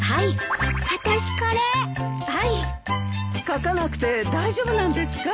書かなくて大丈夫なんですか？